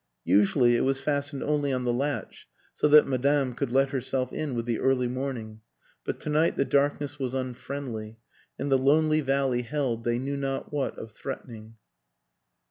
Usually it was fastened only on the latch, so that Madame could let her self in with the early morning; but to night the darkness was unfriendly and the lonely valley held they knew not what of threatening.